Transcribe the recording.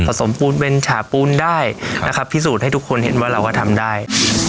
สมปูนเป็นฉาปูนได้นะครับพิสูจน์ให้ทุกคนเห็นว่าเราก็ทำได้